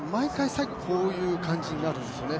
最後こういう感じになるんですよね。